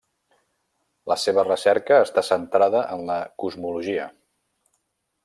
La seva recerca està centrada en la cosmologia.